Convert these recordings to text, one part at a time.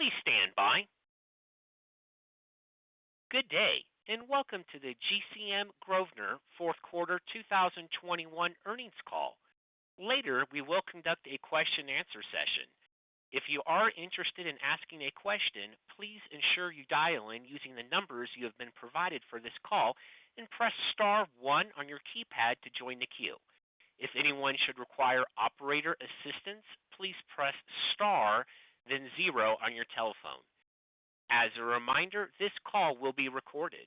Please stand by. Good day, and welcome to the GCM Grosvenor fourth quarter 2021 earnings call. Later, we will conduct a question-and-answer session. If you are interested in asking a question, please ensure you dial in using the numbers you have been provided for this call and press *1 on your keypad to join the queue. If anyone should require operator assistance, please press * then 0 on your telephone. As a reminder, this call will be recorded.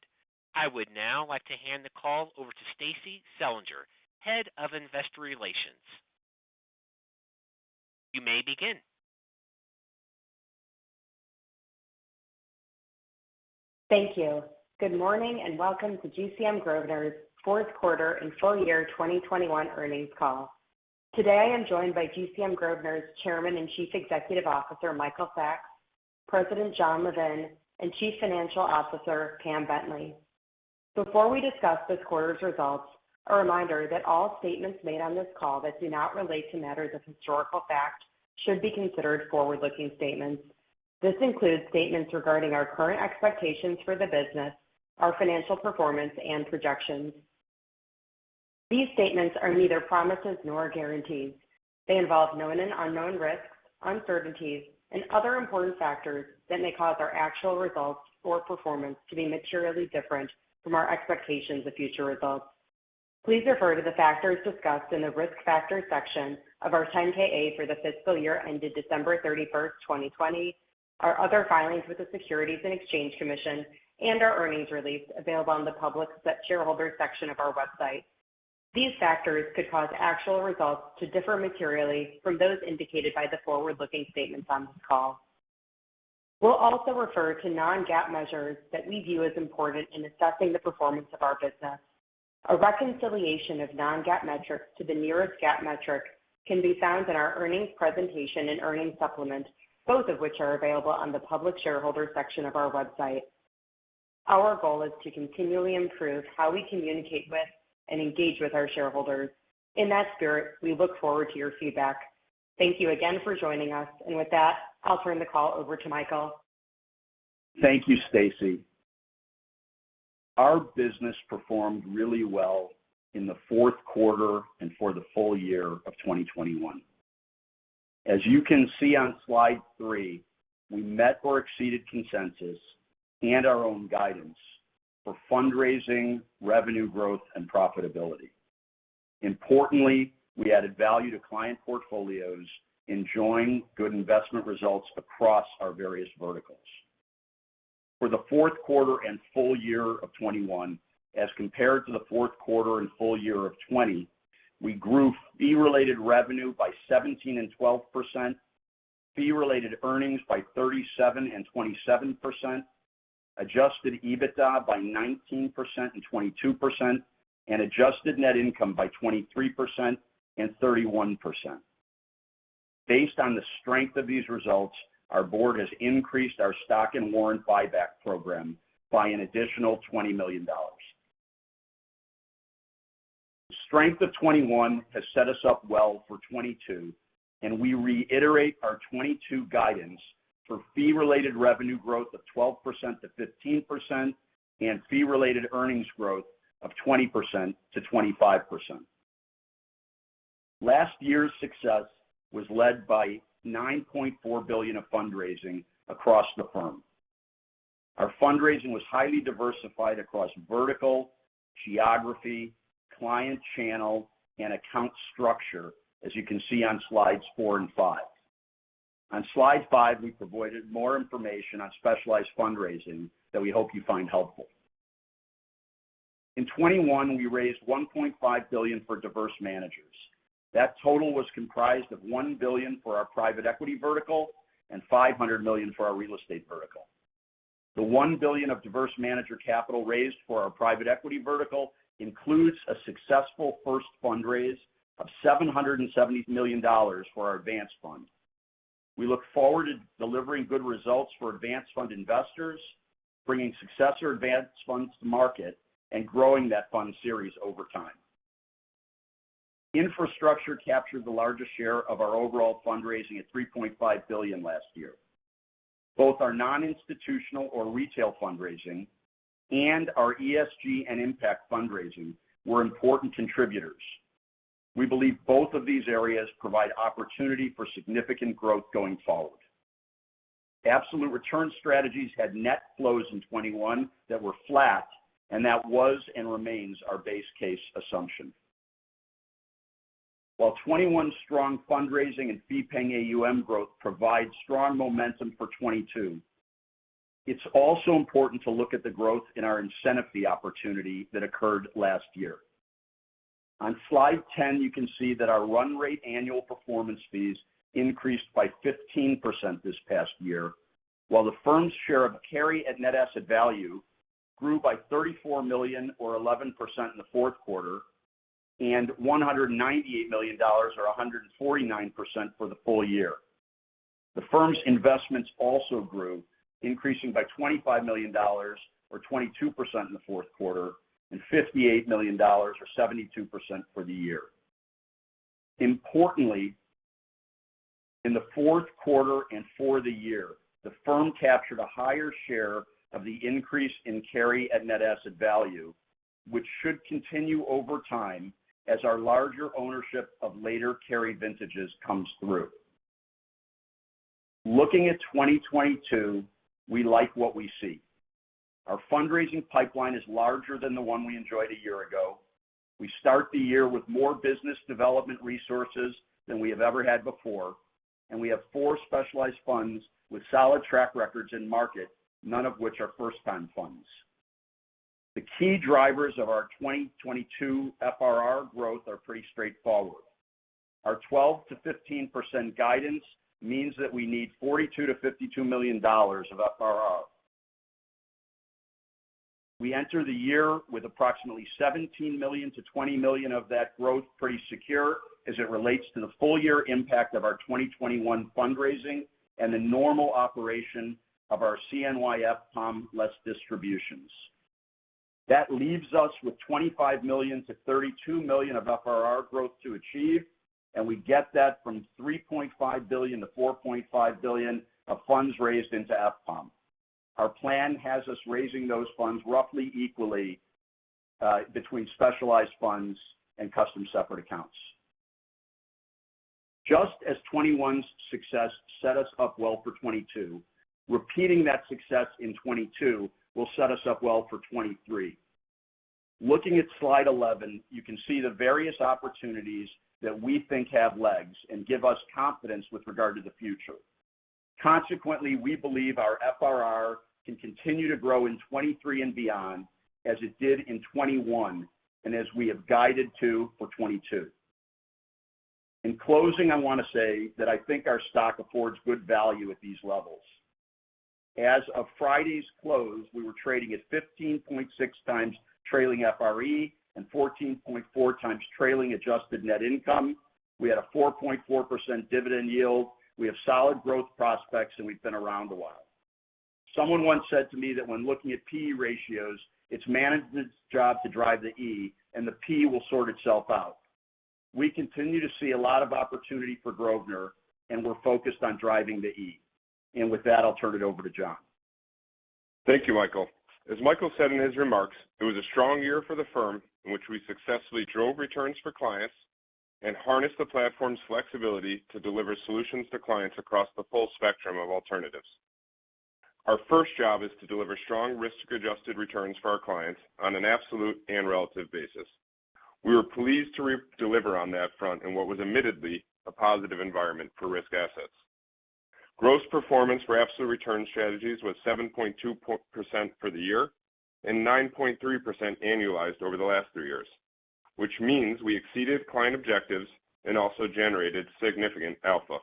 I would now like to hand the call over to Stacie Selinger, Head of Investor Relations. You may begin. Thank you. Good morning and welcome to GCM Grosvenor's fourth quarter and full year 2021 earnings call. Today, I am joined by GCM Grosvenor's Chairman and Chief Executive Officer, Michael Sacks, President Jon Levin, and Chief Financial Officer Pamela Bentley. Before we discuss this quarter's results, a reminder that all statements made on this call that do not relate to matters of historical fact should be considered forward-looking statements. This includes statements regarding our current expectations for the business, our financial performance, and projections. These statements are neither promises nor guarantees. They involve known and unknown risks, uncertainties, and other important factors that may cause our actual results or performance to be materially different from our expectations of future results. Please refer to the factors discussed in the Risk Factors section of our 10-K for the fiscal year ended December 31, 2020, our other filings with the Securities and Exchange Commission, and our earnings release available on the Public Shareholders section of our website. These factors could cause actual results to differ materially from those indicated by the forward-looking statements on this call. We'll also refer to non-GAAP measures that we view as important in assessing the performance of our business. A reconciliation of non-GAAP metrics to the nearest GAAP metric can be found in our earnings presentation and earnings supplement, both of which are available on the Public Shareholders section of our website. Our goal is to continually improve how we communicate with and engage with our shareholders. In that spirit, we look forward to your feedback. Thank you again for joining us. With that, I'll turn the call over to Michael. Thank you, Stacy. Our business performed really well in the fourth quarter and for the full year of 2021. As you can see on slide 3, we met or exceeded consensus and our own guidance for fundraising, revenue growth, and profitability. Importantly, we added value to client portfolios, enjoying good investment results across our various verticals. For the fourth quarter and full year of 2021, as compared to the fourth quarter and full year of 2020, we grew Fee-Related Revenue by 17% and 12%, Fee-Related Earnings by 37% and 27%, adjusted EBITDA by 19% and 22%, and Adjusted Net Income by 23% and 31%. Based on the strength of these results, our board has increased our stock and warrant buyback program by an additional $20 million. The strength of 2021 has set us up well for 2022, and we reiterate our 2022 guidance for fee-related revenue growth of 12%-15% and fee-related earnings growth of 20%-25%. Last year's success was led by $9.4 billion of fundraising across the firm. Our fundraising was highly diversified across vertical, geography, client channel, and account structure, as you can see on slides 4 and 5. On slide 5, we provided more information on specialized fundraising that we hope you find helpful. In 2021, we raised $1.5 billion for diverse managers. That total was comprised of $1 billion for our private equity vertical and $500 million for our real estate vertical. The $1 billion of diverse manager capital raised for our private equity vertical includes a successful first fundraise of $770 million for our Advance Fund. We look forward to delivering good results for Advance Fund investors, bringing successor Advance funds to market, and growing that fund series over time. Infrastructure captured the largest share of our overall fundraising at $3.5 billion last year. Both our non-institutional or retail fundraising and our ESG and impact fundraising were important contributors. We believe both of these areas provide opportunity for significant growth going forward. Absolute return strategies had net flows in 2021 that were flat, and that was and remains our base case assumption. While 2021's strong fundraising and fee-paying AUM growth provides strong momentum for 2022, it's also important to look at the growth in our incentive fee opportunity that occurred last year. On slide 10, you can see that our run rate annual performance fees increased by 15% this past year, while the firm's share of carry at net asset value grew by $34 million or 11% in the fourth quarter, and $198 million or 149% for the full year. The firm's investments also grew, increasing by $25 million or 22% in the fourth quarter, and $58 million or 72% for the year. Importantly, in the fourth quarter and for the year, the firm captured a higher share of the increase in carry at net asset value, which should continue over time as our larger ownership of later carry vintages comes through. Looking at 2022, we like what we see. Our fundraising pipeline is larger than the one we enjoyed a year ago. We start the year with more business development resources than we have ever had before, and we have four specialized funds with solid track records in market, none of which are first-time funds. The key drivers of our 2022 FRR growth are pretty straightforward. Our 12%-15% guidance means that we need $42 million-$52 million of FRR. We enter the year with approximately $17 million-$20 million of that growth pretty secure as it relates to the full year impact of our 2021 fundraising and the normal operation of our CNYFPAUM less distributions. That leaves us with $25 million-$32 million of FRR growth to achieve, and we get that from $3.5 billion-$4.5 billion of funds raised into FPAUM. Our plan has us raising those funds roughly equally between specialized funds and custom separate accounts. Just as 2021's success set us up well for 2022, repeating that success in 2022 will set us up well for 2023. Looking at slide 11, you can see the various opportunities that we think have legs and give us confidence with regard to the future. Consequently, we believe our FRR can continue to grow in 2023 and beyond as it did in 2021 and as we have guided to for 2022. In closing, I want to say that I think our stock affords good value at these levels. As of Friday's close, we were trading at 15.6x trailing FRE and 14.4x trailing adjusted net income. We had a 4.4% dividend yield. We have solid growth prospects, and we've been around a while. Someone once said to me that when looking at P/E ratios, it's management's job to drive the E and the P will sort itself out. We continue to see a lot of opportunity for Grosvenor, and we're focused on driving the E. With that, I'll turn it over to John Levin. Thank you, Michael. As Michael said in his remarks, it was a strong year for the firm in which we successfully drove returns for clients and harnessed the platform's flexibility to deliver solutions to clients across the full spectrum of alternatives. Our first job is to deliver strong risk-adjusted returns for our clients on an absolute and relative basis. We were pleased to deliver on that front in what was admittedly a positive environment for risk assets. Gross performance for absolute return strategies was 7.2% for the year and 9.3% annualized over the last three years, which means we exceeded client objectives and also generated significant alpha.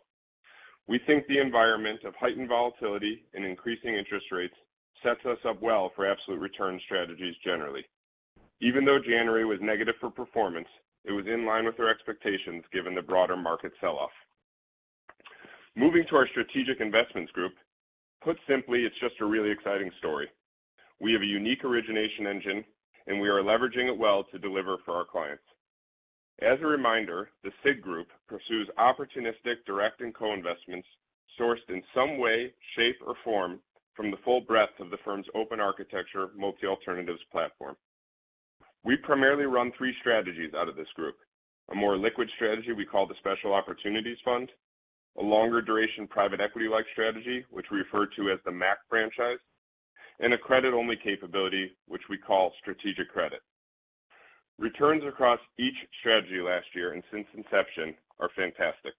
We think the environment of heightened volatility and increasing interest rates sets us up well for absolute return strategies generally. Even though January was negative for performance, it was in line with our expectations given the broader market sell-off. Moving to our Strategic Investments Group, put simply, it's just a really exciting story. We have a unique origination engine, and we are leveraging it well to deliver for our clients. As a reminder, the SIG group pursues opportunistic direct and co-investments sourced in some way, shape, or form from the full breadth of the firm's open architecture multi-alternatives platform. We primarily run three strategies out of this group, a more liquid strategy we call the Special Opportunities Fund, a longer duration private equity-like strategy, which we refer to as the MAC franchise, and a credit-only capability, which we call Strategic Credit. Returns across each strategy last year and since inception are fantastic.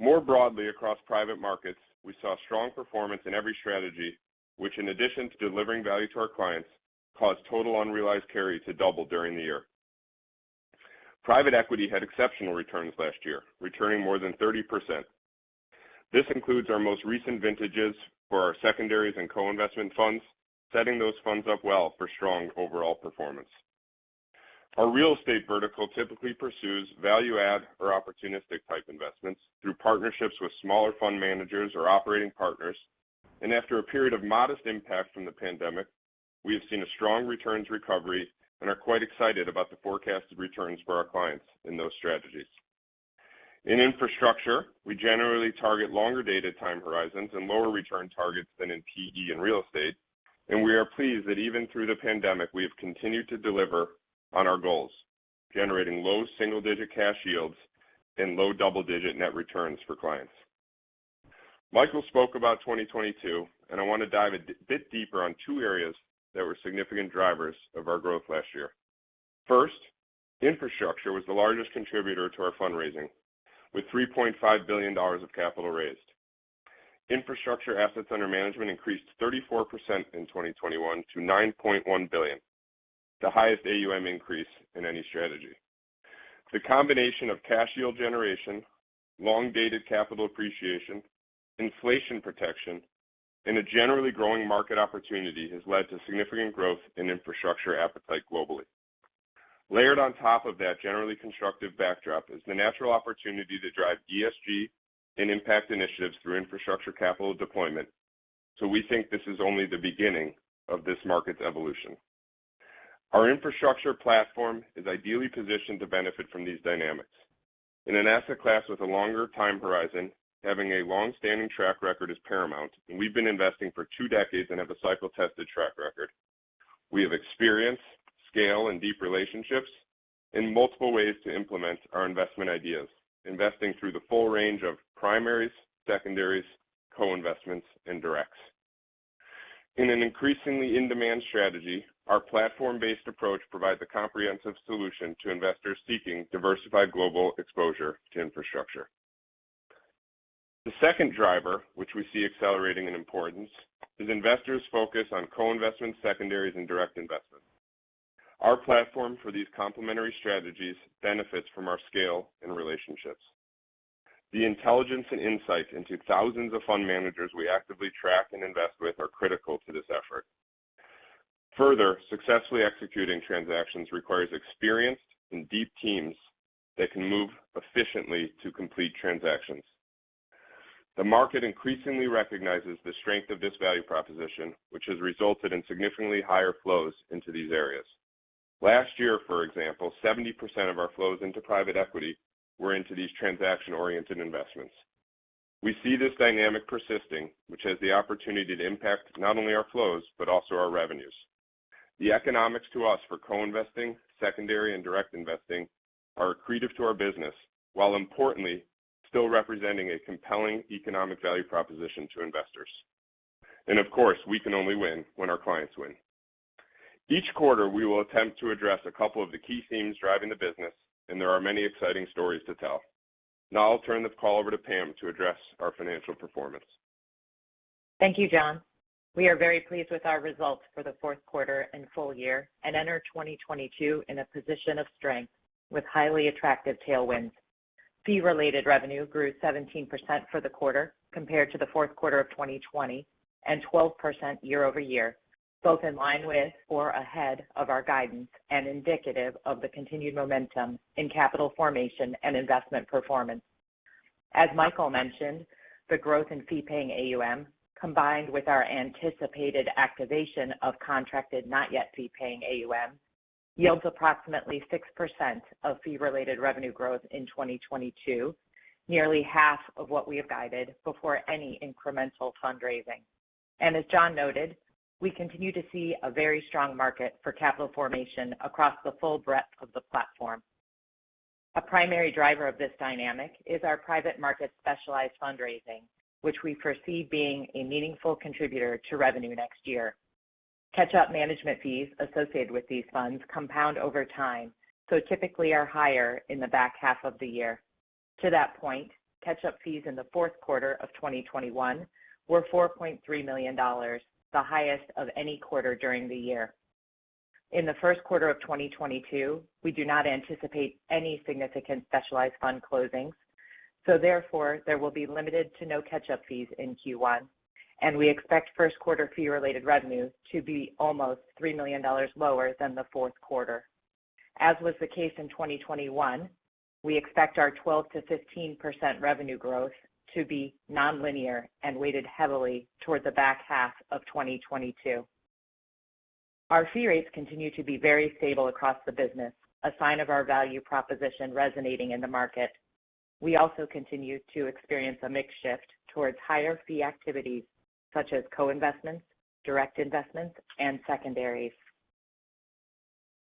More broadly across private markets, we saw strong performance in every strategy, which in addition to delivering value to our clients, caused total unrealized carry to double during the year. Private equity had exceptional returns last year, returning more than 30%. This includes our most recent vintages for our secondaries and co-investment funds, setting those funds up well for strong overall performance. Our real estate vertical typically pursues value add or opportunistic type investments through partnerships with smaller fund managers or operating partners. After a period of modest impact from the pandemic, we have seen a strong returns recovery and are quite excited about the forecasted returns for our clients in those strategies. In infrastructure, we generally target longer data time horizons and lower return targets than in PE and real estate, and we are pleased that even through the pandemic, we have continued to deliver on our goals, generating low single-digit cash yields and low double-digit net returns for clients. Michael spoke about 2022, and I want to dive a bit deeper on two areas that were significant drivers of our growth last year. First, infrastructure was the largest contributor to our fundraising, with $3.5 billion of capital raised. Infrastructure assets under management increased 34% in 2021 to $9.1 billion, the highest AUM increase in any strategy. The combination of cash yield generation, long-dated capital appreciation, inflation protection, and a generally growing market opportunity has led to significant growth in infrastructure appetite globally. Layered on top of that generally constructive backdrop is the natural opportunity to drive ESG and impact initiatives through infrastructure capital deployment. We think this is only the beginning of this market's evolution. Our infrastructure platform is ideally positioned to benefit from these dynamics. In an asset class with a longer time horizon, having a long-standing track record is paramount, and we've been investing for two decades and have a cycle-tested track record. We have experience, scale, and deep relationships, and multiple ways to implement our investment ideas, investing through the full range of primaries, secondaries, co-investments, and directs. In an increasingly in-demand strategy, our platform-based approach provides a comprehensive solution to investors seeking diversified global exposure to infrastructure. The second driver, which we see accelerating in importance, is investors' focus on co-investments, secondaries, and direct investments. Our platform for these complementary strategies benefits from our scale and relationships. The intelligence and insights into thousands of fund managers we actively track and invest with are critical to this effort. Further, successfully executing transactions requires experienced and deep teams that can move efficiently to complete transactions. The market increasingly recognizes the strength of this value proposition, which has resulted in significantly higher flows into these areas. Last year, for example, 70% of our flows into private equity were into these transaction-oriented investments. We see this dynamic persisting, which has the opportunity to impact not only our flows, but also our revenues. The economics to us for co-investing, secondary, and direct investing are accretive to our business, while importantly still representing a compelling economic value proposition to investors. Of course, we can only win when our clients win. Each quarter, we will attempt to address a couple of the key themes driving the business, and there are many exciting stories to tell. Now I'll turn this call over to Pam to address our financial performance. Thank you, Jon. We are very pleased with our results for the fourth quarter and full year, and enter 2022 in a position of strength with highly attractive tailwinds. Fee-Related Revenue grew 17% for the quarter compared to the fourth quarter of 2020, and 12% year-over-year, both in line with or ahead of our guidance and indicative of the continued momentum in capital formation and investment performance. As Michael mentioned, the growth in Fee-Paying AUM, combined with our anticipated activation of Contracted Not Yet Fee-Paying AUM, yields approximately 6% of Fee-Related Revenue growth in 2022, nearly half of what we have guided before any incremental fundraising. As Jon noted, we continue to see a very strong market for capital formation across the full breadth of the platform. A primary driver of this dynamic is our private market specialized fundraising, which we foresee being a meaningful contributor to revenue next year. Catch-up management fees associated with these funds compound over time, so typically are higher in the back half of the year. To that point, catch-up fees in the fourth quarter of 2021 were $4.3 million, the highest of any quarter during the year. In the first quarter of 2022, we do not anticipate any significant specialized fund closings, so therefore there will be limited to no catch-up fees in Q1, and we expect first quarter fee-related revenue to be almost $3 million lower than the fourth quarter. As was the case in 2021, we expect our 12%-15% revenue growth to be nonlinear and weighted heavily toward the back half of 2022. Our fee rates continue to be very stable across the business, a sign of our value proposition resonating in the market. We also continue to experience a mix shift towards higher fee activities such as co-investments, direct investments, and secondaries.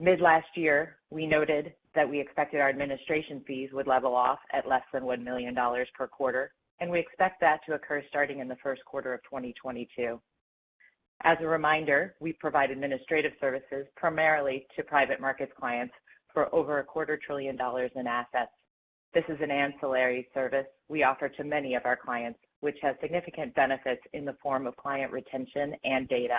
Mid last year, we noted that we expected our administration fees would level off at less than $1 million per quarter, and we expect that to occur starting in the first quarter of 2022. As a reminder, we provide administrative services primarily to private markets clients for over $250 billion in assets. This is an ancillary service we offer to many of our clients, which has significant benefits in the form of client retention and data.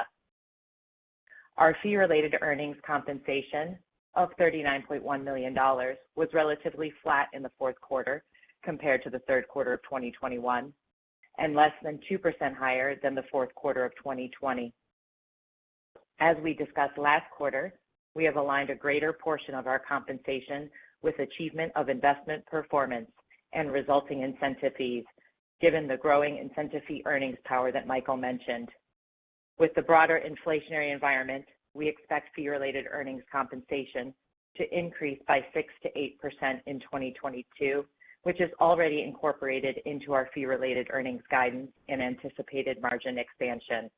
Our fee-related earnings compensation of $39.1 million was relatively flat in the fourth quarter compared to the third quarter of 2021, and less than 2% higher than the fourth quarter of 2020. As we discussed last quarter, we have aligned a greater portion of our compensation with achievement of investment performance and resulting incentive fees, given the growing incentive fee earnings power that Michael mentioned. With the broader inflationary environment, we expect fee-related earnings compensation to increase by 6%-8% in 2022, which is already incorporated into our fee-related earnings guidance and anticipated margin expansion.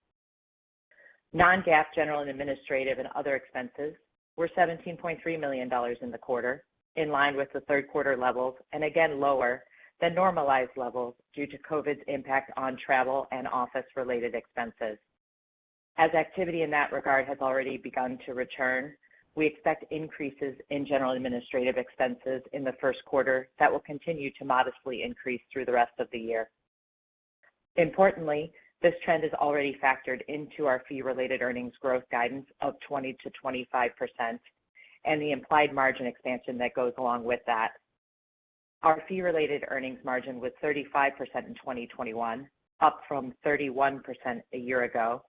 Non-GAAP general and administrative and other expenses were $17.3 million in the quarter, in line with the third quarter levels, and again lower than normalized levels due to COVID's impact on travel and office-related expenses. As activity in that regard has already begun to return, we expect increases in general administrative expenses in the first quarter that will continue to modestly increase through the rest of the year. Importantly, this trend is already factored into our Fee-Related Earnings growth guidance of 20%-25% and the implied margin expansion that goes along with that. Our Fee-Related Earnings margin was 35% in 2021, up from 31% a year ago.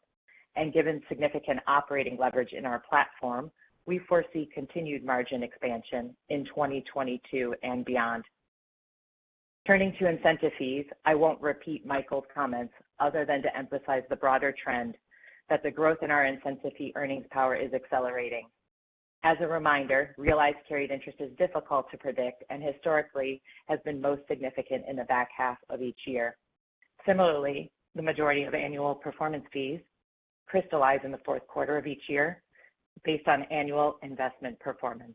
Given significant operating leverage in our platform, we foresee continued margin expansion in 2022 and beyond. Turning to incentive fees, I won't repeat Michael's comments other than to emphasize the broader trend that the growth in our incentive fee earnings power is accelerating. As a reminder, realized carried interest is difficult to predict and historically has been most significant in the back half of each year. Similarly, the majority of annual performance fees crystallize in the fourth quarter of each year based on annual investment performance.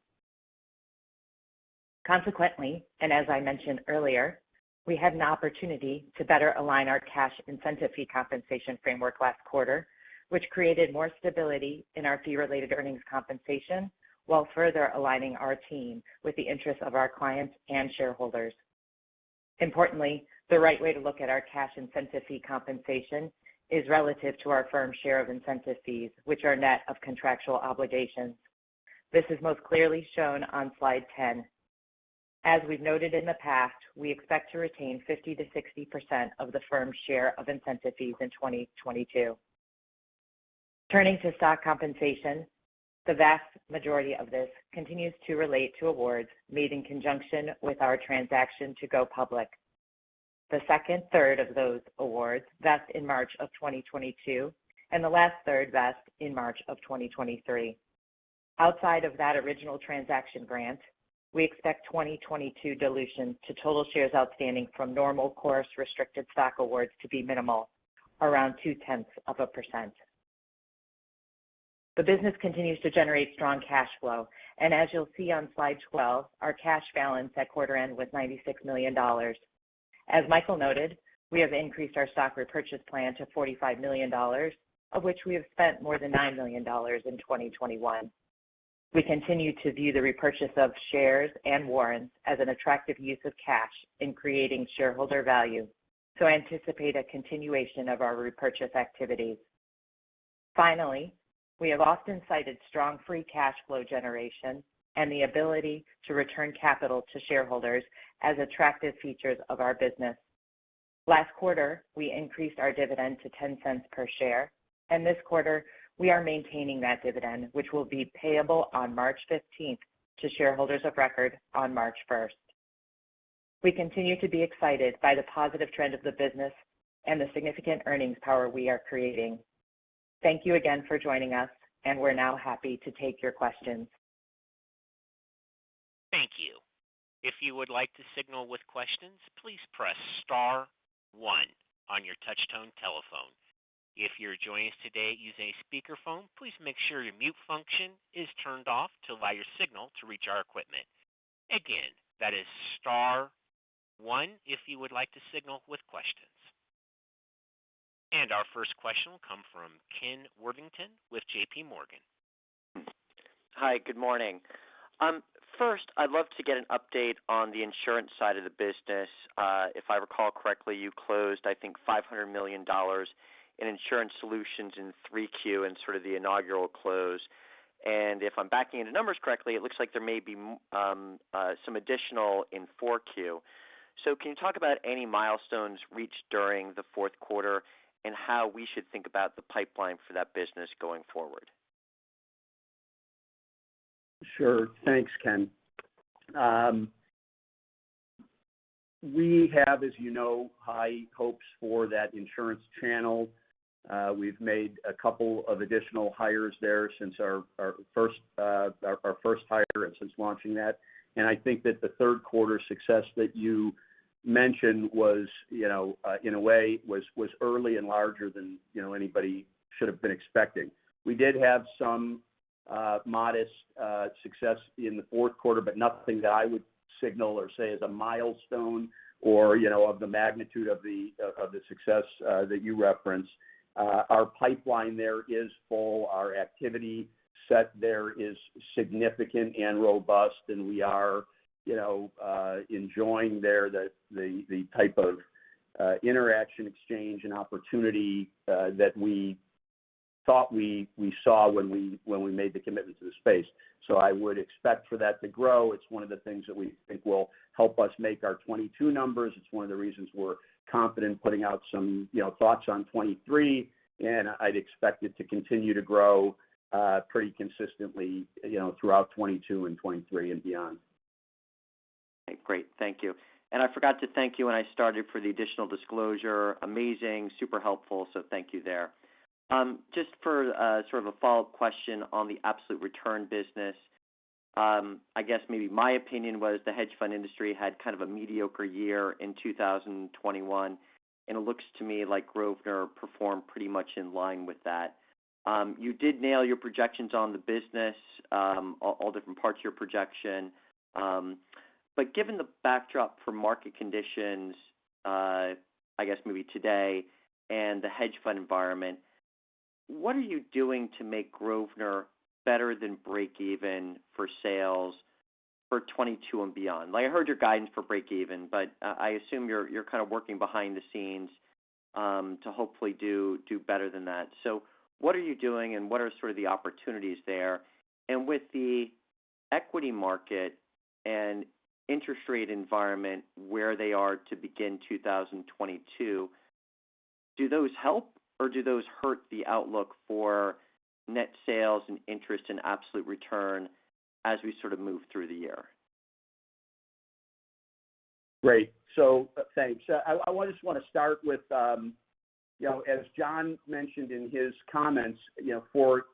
Consequently, and as I mentioned earlier, we had an opportunity to better align our cash incentive fee compensation framework last quarter, which created more stability in our fee-related earnings compensation while further aligning our team with the interests of our clients and shareholders. Importantly, the right way to look at our cash incentive fee compensation is relative to our firm's share of incentive fees, which are net of contractual obligations. This is most clearly shown on slide 10. As we've noted in the past, we expect to retain 50%-60% of the firm's share of incentive fees in 2022. Turning to stock compensation, the vast majority of this continues to relate to awards made in conjunction with our transaction to go public. The second third of those awards vest in March of 2022, and the last third vest in March of 2023. Outside of that original transaction grant, we expect 2022 dilution to total shares outstanding from normal course restricted stock awards to be minimal, around 0.2%. The business continues to generate strong cash flow. As you'll see on slide 12, our cash balance at quarter end was $96 million. As Michael noted, we have increased our stock repurchase plan to $45 million, of which we have spent more than $9 million in 2021. We continue to view the repurchase of shares and warrants as an attractive use of cash in creating shareholder value, so anticipate a continuation of our repurchase activities. Finally, we have often cited strong free cash flow generation and the ability to return capital to shareholders as attractive features of our business. Last quarter, we increased our dividend to $0.10 per share, and this quarter we are maintaining that dividend, which will be payable on March fifteenth to shareholders of record on March first. We continue to be excited by the positive trend of the business and the significant earnings power we are creating. Thank you again for joining us, and we're now happy to take your questions. Thank you. If you would like to signal with questions, please press star one on your touchtone telephone. If you're joining us today using a speakerphone, please make sure your mute function is turned off to allow your signal to reach our equipment. Again, that is star one if you would like to signal with questions. Our first question will come from Kenneth Worthington with J.P. Morgan. Hi. Good morning. First, I'd love to get an update on the insurance side of the business. If I recall correctly, you closed, I think, $500 million in insurance solutions in 3Q and sort of the inaugural close. If I'm backing into numbers correctly, it looks like there may be some additional in 4Q. Can you talk about any milestones reached during the fourth quarter and how we should think about the pipeline for that business going forward? Sure. Thanks, Ken. We have, as you know, high hopes for that insurance channel. We've made a couple of additional hires there since our first hire and since launching that. I think that the third quarter success that you mentioned was, you know, in a way, early and larger than, you know, anybody should have been expecting. We did have some modest success in the fourth quarter, but nothing that I would signal or say is a milestone or, you know, of the magnitude of the success that you referenced. Our pipeline there is full. Our activity set there is significant and robust, and we are, you know, enjoying there the type of interaction, exchange and opportunity that we thought we saw when we made the commitment to the space. I would expect for that to grow. It's one of the things that we think will help us make our 2022 numbers. It's one of the reasons we're confident putting out some, you know, thoughts on 2023. I'd expect it to continue to grow pretty consistently, you know, throughout 2022 and 2023 and beyond. Okay, great. Thank you. And I forgot to thank you when I started for the additional disclosure. Amazing, super helpful, so thank you there. Just for, sort of a follow-up question on the absolute return business. I guess maybe my opinion was the hedge fund industry had kind of a mediocre year in 2021, and it looks to me like Grosvenor performed pretty much in line with that. You did nail your projections on the business, all different parts of your projection. But given the backdrop for market conditions, I guess maybe today and the hedge fund environment, what are you doing to make Grosvenor better than break even for sales for 2022 and beyond? Like, I heard your guidance for break even, but I assume you're kind of working behind the scenes to hopefully do better than that. What are you doing, and what are sort of the opportunities there? With the equity market and interest rate environment where they are to begin 2022, do those help or do those hurt the outlook for net sales and interest in absolute return as we sort of move through the year? Great. Thanks. I just wanna start with, you know, as John mentioned in his comments, you know, for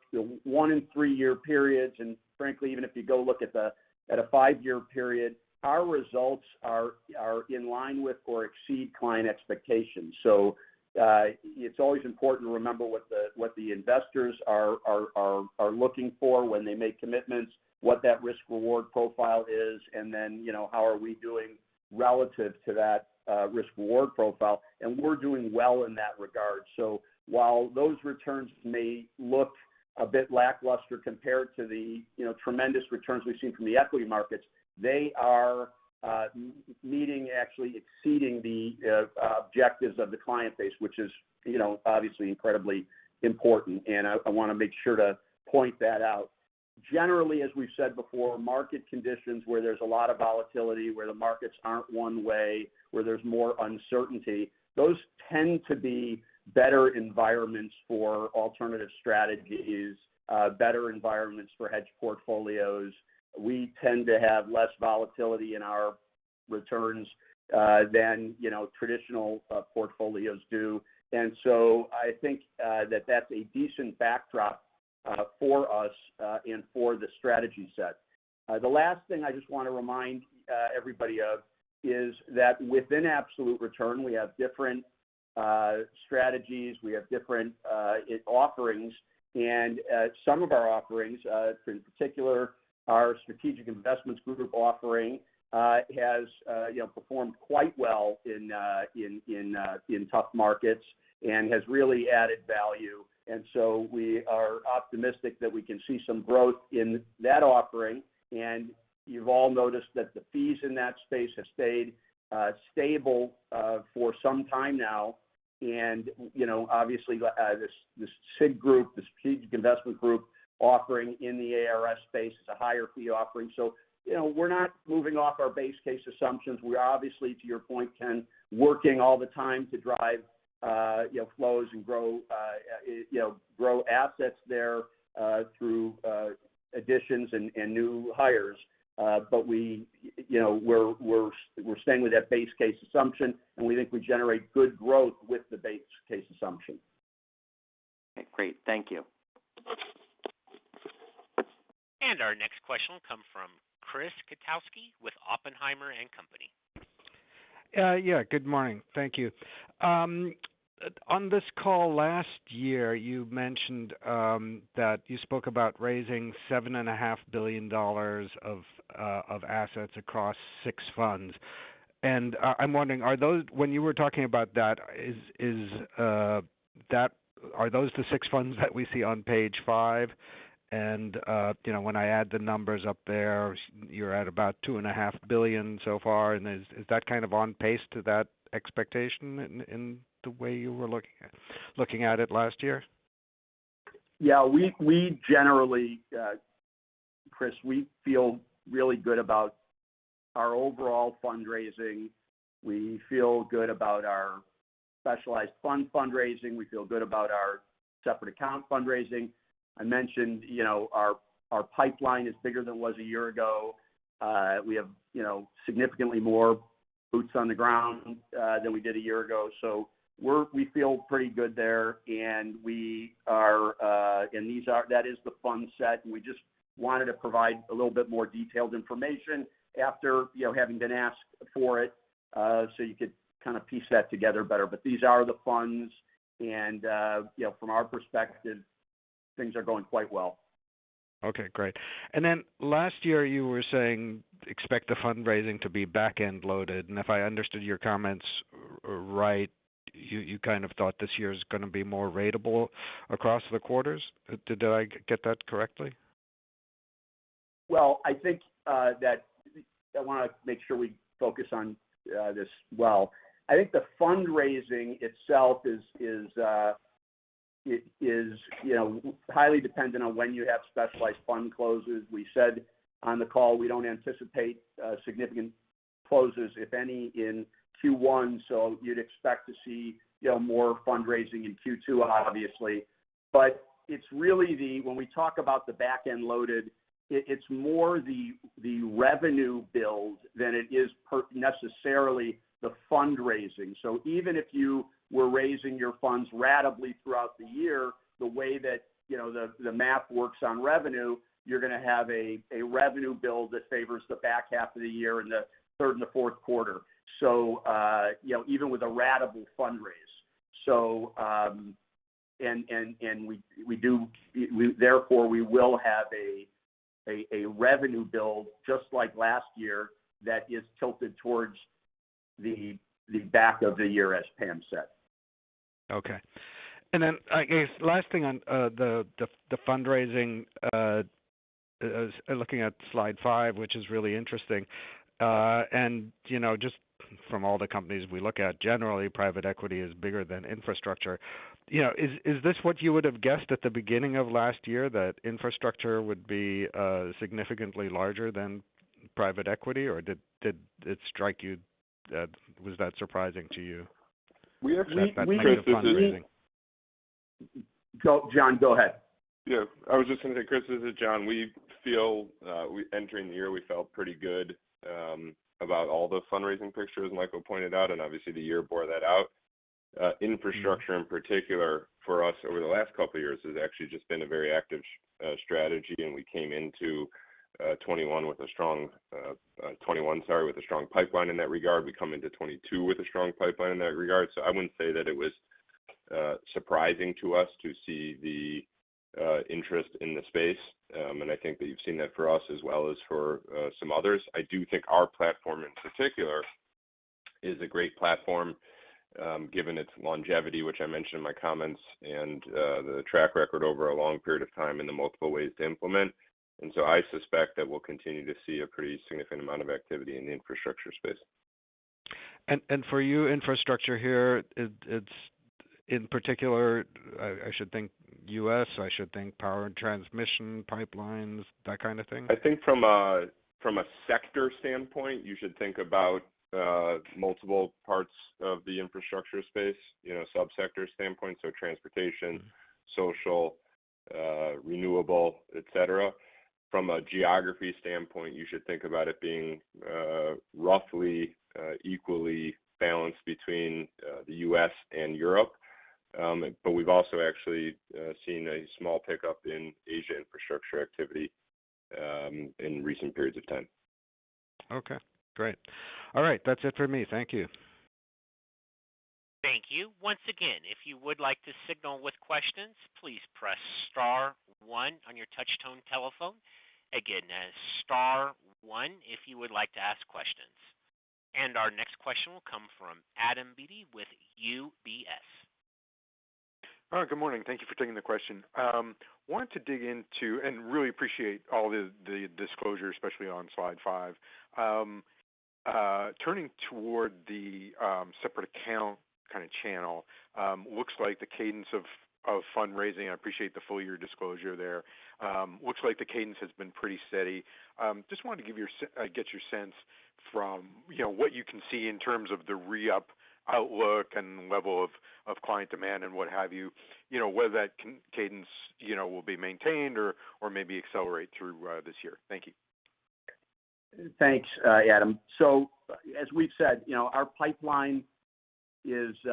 one- and three-year periods, and frankly, even if you go look at a five-year period, our results are in line with or exceed client expectations. It's always important to remember what the investors are looking for when they make commitments, what that risk-reward profile is, and then, you know, how are we doing relative to that risk-reward profile. We're doing well in that regard. While those returns may look a bit lackluster compared to the, you know, tremendous returns we've seen from the equity markets, they are meeting, actually exceeding the objectives of the client base, which is, you know, obviously incredibly important. I wanna make sure to point that out. Generally, as we've said before, market conditions where there's a lot of volatility, where the markets aren't one way, where there's more uncertainty, those tend to be better environments for alternative strategies, better environments for hedge portfolios. We tend to have less volatility in our returns than, you know, traditional portfolios do. I think that that's a decent backdrop for us and for the strategy set. The last thing I just wanna remind everybody of is that within absolute return, we have different strategies, we have different offerings. Some of our offerings, in particular our Strategic Investments Group offering, you know, performed quite well in tough markets and has really added value. We are optimistic that we can see some growth in that offering. You've all noticed that the fees in that space have stayed stable for some time now. You know, obviously, this SIG group, the Strategic Investment Group offering in the ARS space is a higher fee offering. You know, we're not moving off our base case assumptions. We're obviously, to your point, Ken, working all the time to drive you know, flows and grow you know, assets there through additions and new hires. We you know, we're staying with that base case assumption, and we think we generate good growth with the base case assumption. Okay, great. Thank you. Our next question will come from Chris Kotowski with Oppenheimer and Company. Yeah, good morning. Thank you. On this call last year, you mentioned that you spoke about raising $7.5 billion of assets across six funds. I'm wondering, when you were talking about that, are those the six funds that we see on page five? You know, when I add the numbers up there, you're at about $2.5 billion so far. Is that kind of on pace to that expectation in the way you were looking at it last year? We generally, Chris, we feel really good about our overall fundraising. We feel good about our specialized fund fundraising. We feel good about our separate account fundraising. I mentioned, you know, our pipeline is bigger than it was a year ago. We have, you know, significantly more boots on the ground than we did a year ago. We feel pretty good there. We are, that is the fund set, and we just wanted to provide a little bit more detailed information after, you know, having been asked for it, so you could kind of piece that together better. These are the funds. You know, from our perspective, things are going quite well. Okay, great. Last year you were saying, expect the fundraising to be back-end loaded. If I understood your comments right, you kind of thought this year is gonna be more ratable across the quarters. Did I get that correctly? Well, I think that I wanna make sure we focus on this well. I think the fundraising itself is, you know, highly dependent on when you have specialized fund closes. We said on the call, we don't anticipate significant closes, if any, in Q1, so you'd expect to see, you know, more fundraising in Q2, obviously. It's really, when we talk about the back-end loaded, it's more the revenue build than it is necessarily the fundraising. Even if you were raising your funds ratably throughout the year, the way that, you know, the math works on revenue, you're gonna have a revenue build that favors the back half of the year in the third and the fourth quarter. You know, even with a ratable fundraise. Therefore, we will have a revenue build just like last year that is tilted towards the back of the year, as Pam said. Okay. Then I guess last thing on the fundraising, as looking at slide 5, which is really interesting. You know, just from all the companies we look at, generally, private equity is bigger than infrastructure. You know, is this what you would have guessed at the beginning of last year that infrastructure would be significantly larger than private equity? Or did it strike you that was surprising to you? We actually. That kind of fundraising. John, go ahead. Yeah. I was just gonna say, Chris, this is John. We feel entering the year, we felt pretty good about all the fundraising prospects, and Michael pointed out, and obviously the year bore that out. Infrastructure in particular for us over the last couple of years has actually just been a very active strategy. We came into 2021 with a strong pipeline in that regard. We come into 2022 with a strong pipeline in that regard. I wouldn't say that it was surprising to us to see the interest in the space. I think that you've seen that for us as well as for some others. I do think our platform in particular is a great platform, given its longevity, which I mentioned in my comments, and the track record over a long period of time in the multiple ways to implement. I suspect that we'll continue to see a pretty significant amount of activity in the infrastructure space. For you, infrastructure here, it's in particular, I should think U.S., power and transmission pipelines, that kind of thing? I think from a sector standpoint, you should think about multiple parts of the infrastructure space, you know, subsector standpoint, so transportation. Mm-hmm. Social, renewable, et cetera. From a geography standpoint, you should think about it being roughly equally balanced between the U.S. and Europe. We've also actually seen a small pickup in Asia infrastructure activity in recent periods of time. Okay, great. All right. That's it for me. Thank you. Thank you. Once again, if you would like to signal with questions, please press *1 on your touch tone telephone. Again, that is star one if you would like to ask questions. Our next question will come from Adam Beatty with UBS. Good morning. Thank you for taking the question. Wanted to dig into and really appreciate all the disclosure, especially on slide five. Turning toward the separate account kinda channel, looks like the cadence of fundraising. I appreciate the full year disclosure there. Looks like the cadence has been pretty steady. Just wanted to get your sense from, you know, what you can see in terms of the re-up outlook and level of client demand and what have you. You know, whether that cadence will be maintained or maybe accelerate through this year. Thank you. Thanks, Adam. As we've said, you know, our pipeline is you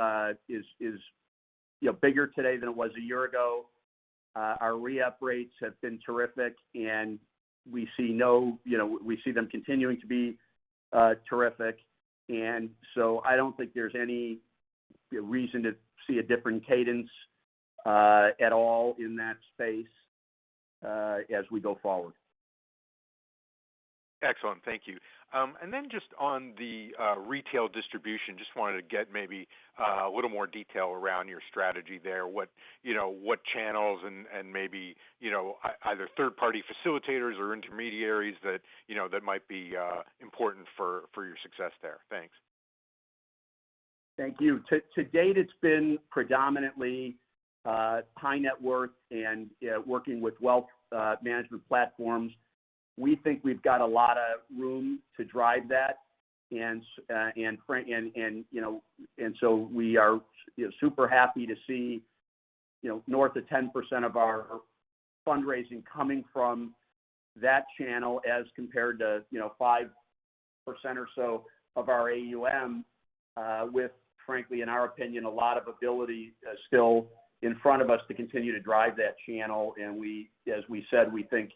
know bigger today than it was a year ago. Our re-up rates have been terrific, and we see you know them continuing to be terrific. I don't think there's any reason to see a different cadence at all in that space as we go forward. Excellent. Thank you. Just on the retail distribution, I just wanted to get maybe a little more detail around your strategy there. What, you know, what channels and maybe, you know, either third-party facilitators or intermediaries that, you know, that might be important for your success there. Thanks. Thank you. To date, it's been predominantly high net worth and working with wealth management platforms. We think we've got a lot of room to drive that. We are super happy to see north of 10% of our fundraising coming from that channel as compared to 5% or so of our AUM, with frankly, in our opinion, a lot of ability still in front of us to continue to drive that channel. As we said, we think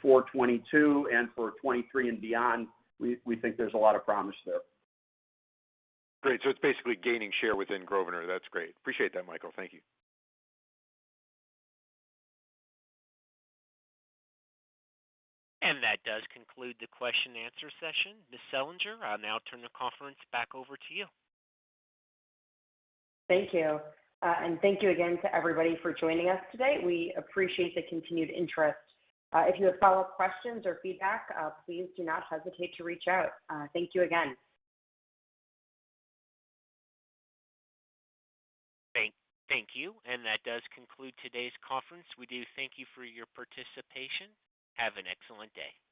for 2022 and for 2023 and beyond, we think there's a lot of promise there. Great. It's basically gaining share within Grosvenor. That's great. I appreciate that, Michael. Thank you. That does conclude the question-and-answer session. Ms. Selinger, I'll now turn the conference back over to you. Thank you. Thank you again to everybody for joining us today. We appreciate the continued interest. If you have follow-up questions or feedback, please do not hesitate to reach out. Thank you again. Thank you. That does conclude today's conference. We do thank you for your participation. Have an excellent day.